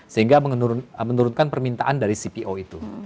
sehingga menurunkan permintaan dari cpo itu